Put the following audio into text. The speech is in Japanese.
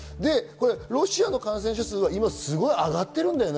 ロシアの感染者数は今上がっているんだよね。